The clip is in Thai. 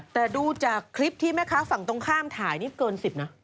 แต่ดูจากคลิปที่แม่ค้าฝั่งตรงข้ามถ่ายนี่เกิน๑๐นะ